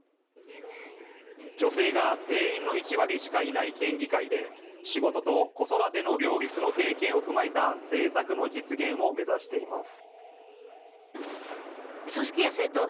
女性が定員の１割しかいない県議会で仕事と子育ての両立の経験を踏まえた政策の実現を目指しています。